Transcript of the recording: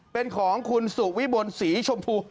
เป็นของคุณสุวิบลศรีชมพู